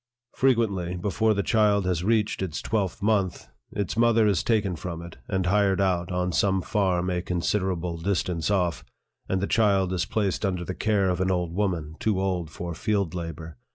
Frequently, before the child has reached its twelfth month, its mother is taken from it, and hired out on some farm a considerable distance off, and the child is placed under the care of an old woman, too old for field labor.